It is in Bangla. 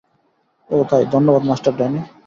ওহ, তাই, ধন্যবাদ, মাস্টার ড্যানি।